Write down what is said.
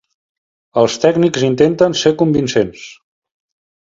Els tècnics intenten ser convincents.